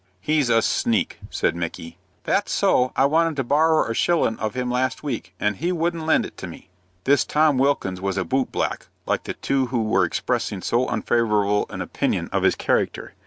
"He's a sneak," said Micky. "That's so. I wanted to borrer a shillin' of him last week, and he wouldn't lend it to me." This Tom Wilkins was a boot black like the two who were expressing so unfavorable an opinion of his character.